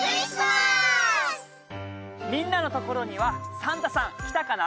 みんなのところにはサンタさん来たかな？